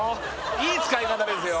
いい使い方ですよ